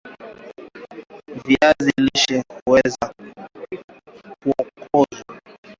viazi lishe huweza kuokwa